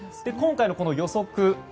今回の予測